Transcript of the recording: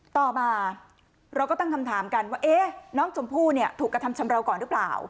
ต่อมาเราก็ต้องคำถามกันว่าเอะน้องจมพู่ถูกกระทำชะเมลก่อนหรือเปล่า